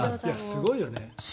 すごいよね。